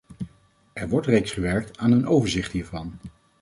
Er wordt reeds gewerkt aan een overzicht hiervan.